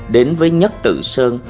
đến với nhất tự sơn